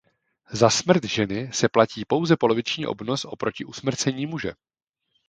Za smrt ženy se platí pouze poloviční obnos oproti usmrcení muže.